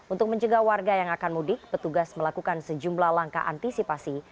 untuk mencegah warga yang akan mudik petugas melakukan sejumlah langkah antisipasi